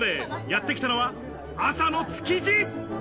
やってきたのは朝の築地。